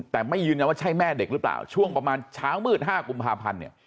แต่ไม่ยืนยันว่าใช่แม่เด็กหรือเปล่าช่วงประมาณเช้ามืด๕กุมภาพันธ์เนี่ย